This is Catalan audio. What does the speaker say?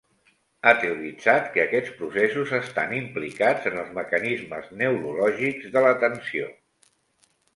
Ha teoritzat que aquests processos estan implicats en els mecanismes neurològics de l'atenció.